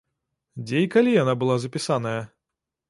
Дзе і калі яна была запісаная?